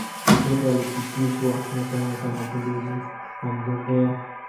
kikwete alipitishwa na chama cha mapinduzi kuwa mgombea